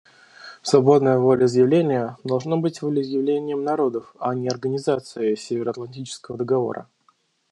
Свободное волеизъявление должно быть волеизъявлением народов, а не Организации Североатлантического договора.